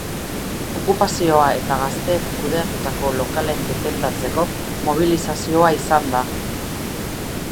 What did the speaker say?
Okupazioa eta gazteek kudeatutako lokalen defendatzeko mobilizazioa izan da.